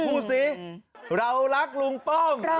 ใครพูดสิราวรักลุงป้อม